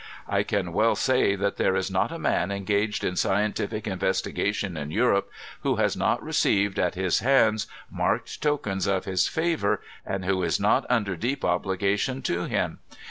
I can well say that there is not a man engaged in scientific investigation in Europe, who has not received at his hands marked tokens of his favor, and who is not under deep obligations to him.